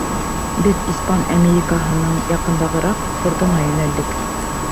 Беҙ Испан Америкаһының яҡындағыраҡ портына йүнәлдек.